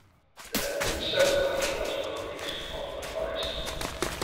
There have been several archaeological digs at Poplar Forest.